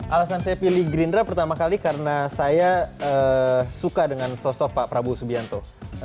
alasan saya pilih gerindra pertama kali karena saya suka dengan sosok pak prabowo subianto